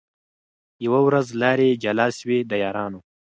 یوه ورځ لاري جلا سوې د یارانو